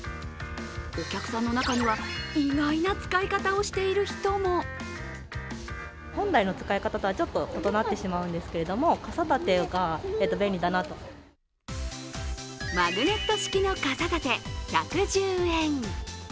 お客さんの中には意外な使い方をしている人もマグネット式の傘たて１１０円。